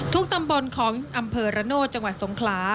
ตำบลของอำเภอระโนธจังหวัดสงขลา